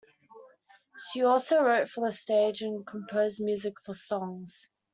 She also wrote for the stage, and composed music for songs.